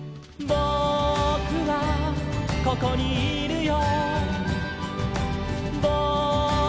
「ぼくはここにいるよ」